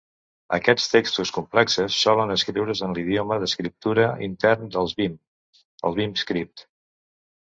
Aquests textos complexes solen escriure's en l'idioma d'escriptura intern dels Vim, el vimscript.